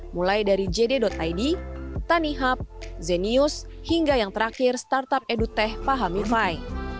mulai dari jd id tanihub zenius hingga yang terakhir startup edutech fahamify